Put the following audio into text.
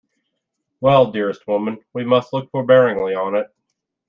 Well, dearest woman, we must look forbearingly on it.